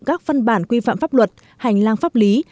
các văn bản quy phạm pháp luật hành lang pháp lý